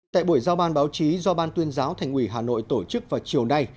tại buổi giao ban báo chí do ban tuyên giáo thành ủy hà nội tổ chức vào chiều nay